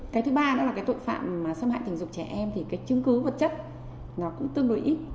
cái thứ ba nữa là cái tội phạm xâm hại tình dục trẻ em thì cái chứng cứ vật chất nó cũng tương đối ít